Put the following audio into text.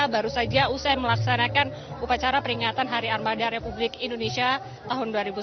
baru saja usai melaksanakan upacara peringatan hari armada republik indonesia tahun dua ribu sembilan belas